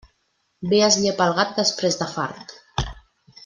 Bé es llepa el gat després de fart.